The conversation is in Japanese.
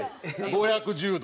５１０度。